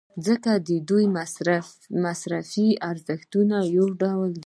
ځکه د دوی مصرفي ارزښتونه یو ډول دي.